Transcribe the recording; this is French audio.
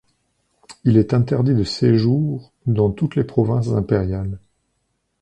Il est interdit de séjour dans toutes les provinces impériales.